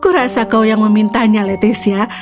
aku rasa kau yang memintanya leticia